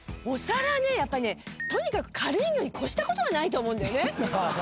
お皿ねやっぱとにかく軽いのに越したことはないと思うんだよね。